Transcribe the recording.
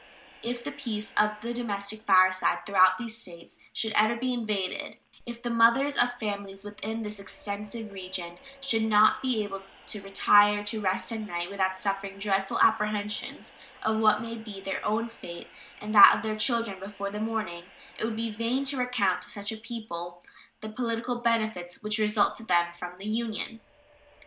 If the peace of the domestic fireside throughout these States should ever be invaded, if the mothers of families within this extensive region should not be able to retire to rest at night without suffering dreadful apprehensions of what may be their own fate and that of their children before the morning, it would be vain to recount to such a people the political benefits which result to them from the Union.